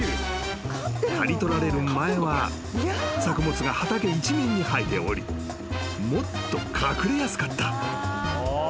［刈り取られる前は作物が畑一面に生えておりもっと隠れやすかった］